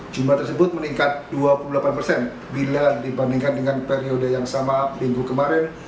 jumlah tersebut meningkat dua puluh delapan persen bila dibandingkan dengan periode yang sama minggu kemarin